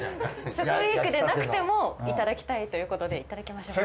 食ウィークでなくてもいただきたいということでいただきましょう。